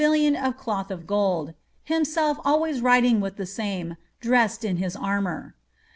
lion of cloth of gold, himself always riding within the same, drest in his armour.